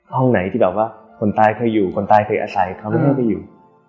ห้องไหนที่แบบว่าคนตายเคยอยู่คนตายเคยอาศัยเขาไม่ได้ไปอยู่